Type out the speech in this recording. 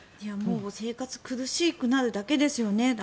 生活が苦しくなるだけですよね。